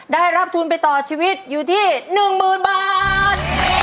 ได้รับทุนไปต่อชีวิตอยู่ที่๑๐๐๐บาท